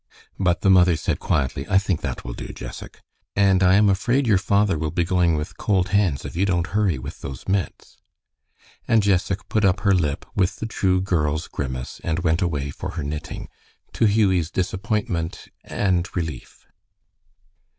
But the mother said quietly, "I think that will do, Jessac. And I am afraid your father will be going with cold hands if you don't hurry with those mitts." And Jessac put up her lip with the true girl's grimace and went away for her knitting, to Hughie's disappointment and relief.